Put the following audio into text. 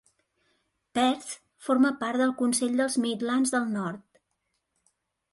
Perth forma part del Consell dels Midlands del Nord.